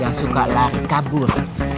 yang suka lari kabur